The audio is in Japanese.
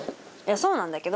そうなんだけど。